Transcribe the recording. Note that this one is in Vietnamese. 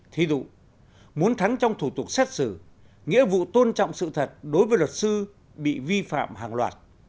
thí dụ muốn thắng trong thủ tục xét xử nghĩa vụ tôn trọng sự thật đối với luật sư bị vi phạm hàng loạt